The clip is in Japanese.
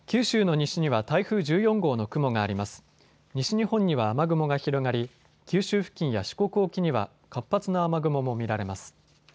西日本には雨雲が広がり九州付近や四国沖には活発な雨雲も見られます。